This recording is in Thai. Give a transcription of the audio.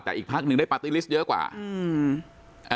แต่อีกพักหนึ่งได้ปาร์ตี้ลิสต์เยอะกว่าอืม